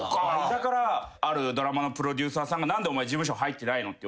だからあるドラマのプロデューサーさんが「何でお前事務所入ってないの？」って言われて。